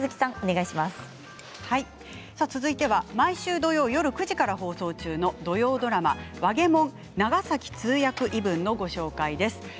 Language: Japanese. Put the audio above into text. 続いては毎週土曜夜９時から放送中の土曜ドラマ「わげもん長崎通訳異聞」の紹介です。